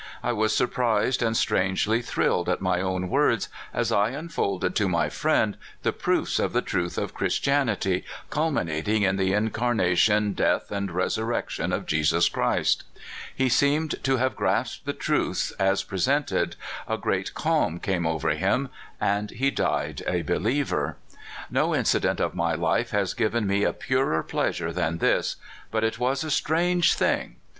I was surprised and strangely thrilled at my own words as I unfolded to my friend the proofs of the truth of Christian ity, culminating in the incarnation, death, and resurrection, of Jesus Christ. He seemed to have grasped the truths as presented, a great calm came over him, and he died a believer. No incident of my life has given me a purer pleasure than this ; but it was a strange thing!